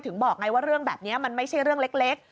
บอกไงว่าเรื่องแบบนี้มันไม่ใช่เรื่องเล็ก